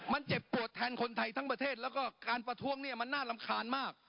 มันเจ็บปวดแทนคนไทยทั้งประเทศแล้วก็การประท้วงเนี่ยมันน่ารำคาญมาก